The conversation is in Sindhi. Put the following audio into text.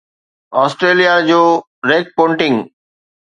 آسٽريليا جو ريڪ پونٽنگ